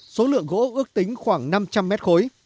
số lượng gỗ ước tính khoảng năm trăm linh mét khối